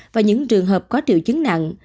và những trường hợp có triệu chứng nặng